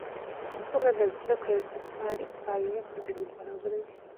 سوله د زده کړې او اقتصادي فعالیت زمینه برابروي.